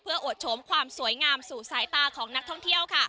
อวดโฉมความสวยงามสู่สายตาของนักท่องเที่ยวค่ะ